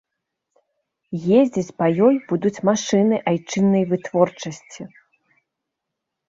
Ездзіць па ёй будуць машыны айчыннай вытворчасці.